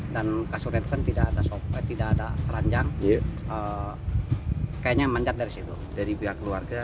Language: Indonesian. dan kasur yang tidak ada sopet tidak ada ranjang kayaknya menjat dari situ dari pihak keluarga